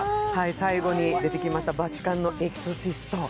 最後に出てきました「ヴァチカンのエクソシスト」。